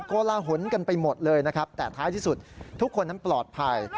โกลาหลกันไปหมดเลยนะครับแต่ท้ายที่สุดทุกคนนั้นปลอดภัย